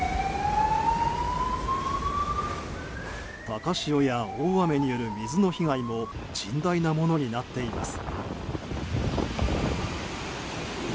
高潮や大雨による水の被害も甚大なものになっています。